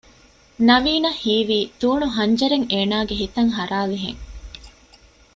ނަވީނަށް ހީވީ ތޫނު ހަންޖަރެއް އޭނާގެ ހިތަށް ހަރާލިހެން